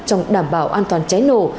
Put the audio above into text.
trong đảm bảo an toàn cháy nổ